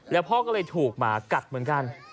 แล้วพ่อก็เลยถูกหมากัดเหมือนกัน